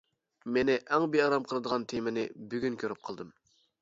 مېنى ئەڭ بىئارام قىلىدىغان تېمىنى بۈگۈن كۆرۈپ قالدىم.